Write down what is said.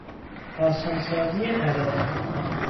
آسانسازی تداعی